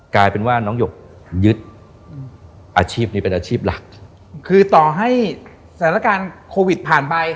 กลายเป็นว่าน้องหยกยึดอืมอาชีพนี้เป็นอาชีพหลักคือต่อให้สถานการณ์โควิดผ่านไป